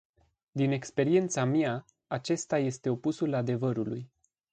Din experiența mea, acesta este opusul adevărului.